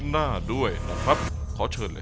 ซุปไก่เมื่อผ่านการต้มก็จะเข้มขึ้น